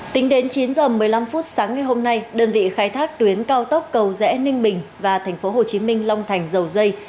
tính đến chín h một mươi năm sáng ngày hôm nay đơn vị khai thác tuyến cao tốc cầu rẽ ninh bình và thành phố hồ chí minh long thành dầu dây